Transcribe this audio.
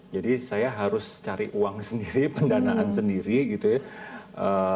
jadi saya harus cari uang sendiri pendanaan sendiri gitu ya